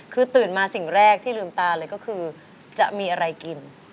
คือตื่นมาสิ่งแรกที่ลืมตาเลยก็คือจะมีอะไรกิน